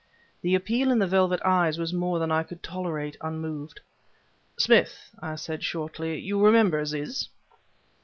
The appeal in the velvet eyes was more than I could tolerate, unmoved. "Smith," I said shortly, "you remember Aziz?"